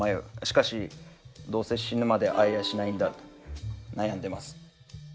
しかしどうせ死ぬまで逢えやしないんだと悩んでます。